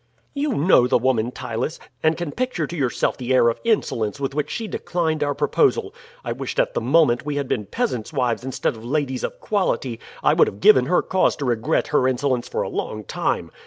"You know the woman, Ptylus, and can picture to yourself the air of insolence with which she declined our proposal. I wished at the moment we had been peasants' wives instead of ladies of quality. I would have given her cause to regret her insolence for a long time.